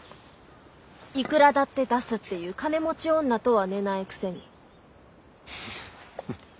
いくらだって出すっていう金持ち女とは寝ないくせに。